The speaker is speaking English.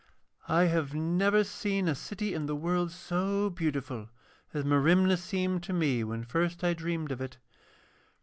I have never seen a city in the world so beautiful as Merimna seemed to me when first I dreamed of it.